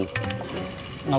gak boleh kang